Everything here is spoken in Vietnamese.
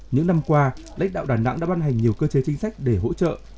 những năm qua lãnh đạo đà nẵng đã ban hành nhiều cơ chế chính sách để hỗ trợ